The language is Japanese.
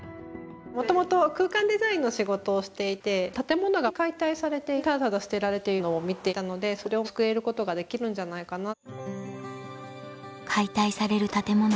元々空間デザインの仕事をしていて建物が解体されてただただ捨てられているのを見てたのでそれを救えることができるんじゃないかな。